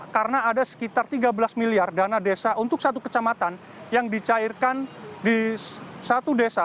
karena ada sekitar tiga belas miliar dana desa untuk satu kecamatan yang dicairkan di satu desa